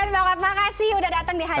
keren banget makasih udah datang di hajatan